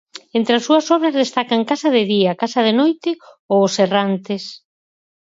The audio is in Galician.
Entre as súas obras destacan Casa de día, casa de noite ou Os errantes.